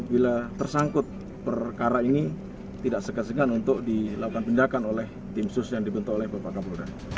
apabila tersangkut perkara ini tidak sekesengan untuk dilakukan pendidikan oleh tim sus yang dibentuk oleh bapak kapolda